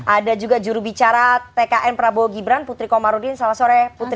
ada juga jurubicara tkn prabowo gibran putri komarudin selamat sore putri